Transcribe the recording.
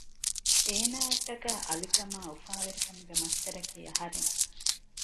އޭނާއަށްޓަކައި އަލިކަމާއި އުފާވެރިކަމުގެ މަޞްދަރަކީ އަހަރެން